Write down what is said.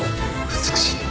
美しい。